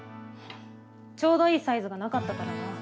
ちょうどいいサイズがなかったからな。